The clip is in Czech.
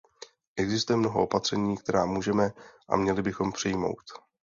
Existuje mnoho opatření, která můžeme a měli bychom přijmout.